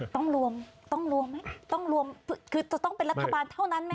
ต้องรวมต้องเป็นรัฐบาลเท่านั้นไหม